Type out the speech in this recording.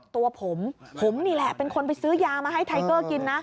ตัวผมผมนี่แหละเป็นคนไปซื้อยามาให้ไทเกอร์กินนะ